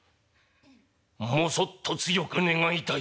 「もそっと強く願いたい」。